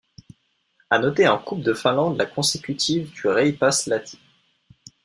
À noter en Coupe de Finlande la consécutive du Reipas Lahti.